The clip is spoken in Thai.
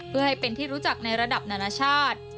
เพื่อให้เป็นที่รู้จักในระดับนานาชาติ